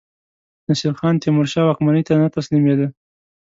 نصیرخان تیمورشاه واکمنۍ ته نه تسلیمېدی.